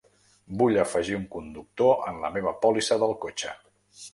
vull afegir un conductor en la meva pòlissa del cotxe.